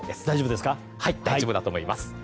大丈夫だと思います。